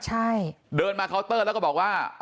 ใช่เดินมาเคาน์เตอร์แล้วก็บอกว่า